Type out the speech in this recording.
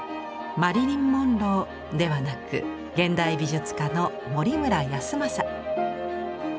マリリン・モンローではなく現代美術家の森村泰昌。